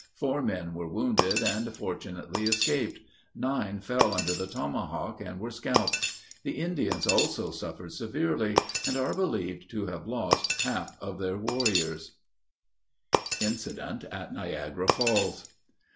Four men were wounded and fortunately escaped. Nine fell under the tomahawk, and were scalped. The Indians also suffered severely, and are believed to have lost half of their warriors. [Illustration: Attack on Estill's Station.] INCIDENT AT NIAGARA FALLS.